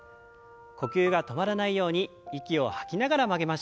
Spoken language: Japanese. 呼吸が止まらないように息を吐きながら曲げましょう。